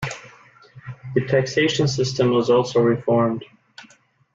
The taxation system was also reformed.